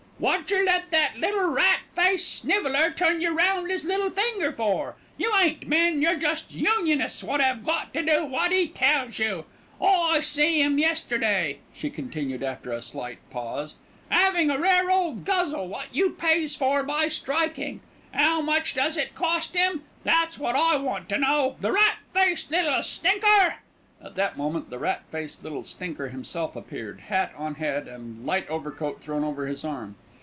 "Wotjer let that little rat faced sniveller turn you round 'is little finger for? You ain't men, you're just Unionists wot 'ave got to do wot 'e tells you. I see 'im yesterday," she continued after a slight pause, "'aving a rare ole guzzle wot you pays for by striking. 'Ow much does it cost 'im? That's wot I want to know, the rat faced little stinker!" At that moment "the rat faced little stinker" himself appeared, hat on head and light overcoat thrown over his arm.